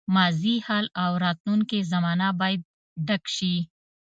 ماضي، حال او راتلونکې زمانه باید ډک شي.